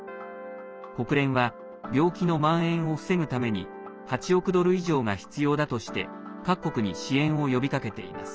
国連は病気のまん延を防ぐために８億ドル以上が必要だとして各国に支援を呼びかけています。